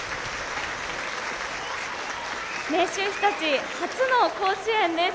明秀日立初の甲子園です。